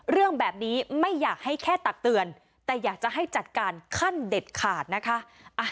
เรื่องแบบนี้ไม่อยากให้แค่ตักเตือนแต่อยากจะให้จัดการขั้นเด็ดขาดนะคะ